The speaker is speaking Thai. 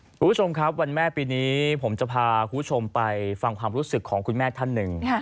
คุณผู้ชมครับวันแม่ปีนี้ผมจะพาคุณผู้ชมไปฟังความรู้สึกของคุณแม่ท่านหนึ่ง